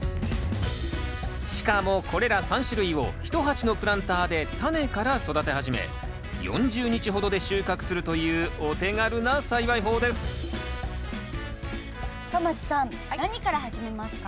しかもこれら３種類を１鉢のプランターでタネから育て始め４０日ほどで収穫するというお手軽な栽培法です深町さん何から始めますか？